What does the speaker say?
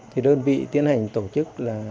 thì đơn vị tiến hành tổ chức